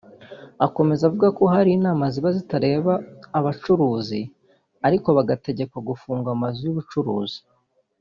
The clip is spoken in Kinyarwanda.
Akomeza avuga ko hari n’inama ziba zitareba abacuruzi ariko bagategekwa gufunga amazu y’ubucuruzi